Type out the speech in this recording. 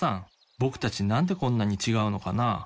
僕たちなんでこんなにちがうのかな？